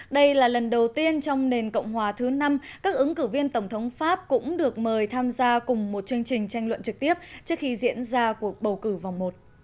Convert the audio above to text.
đây là lần đầu tiên trong nền cộng hòa thứ năm các ứng cử viên tổng thống pháp cũng được mời tham gia cùng một chương trình tranh luận trực tiếp trước khi diễn ra cuộc bầu cử vòng một